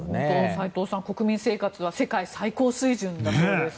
齋藤さん、国民生活は世界最高水準だそうです。